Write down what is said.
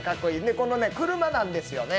これ車なんですよね。